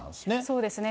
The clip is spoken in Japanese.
そうですね。